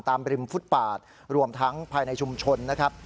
ริมฟุตปาดรวมทั้งภายในชุมชนนะครับ